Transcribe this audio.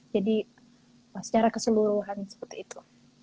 jadi secara keseluruhan seperti itu